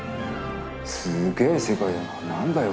すげえ世界だな何だよ